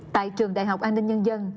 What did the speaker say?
tại trường đại học an ninh nhân dân